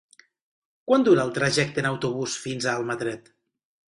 Quant dura el trajecte en autobús fins a Almatret?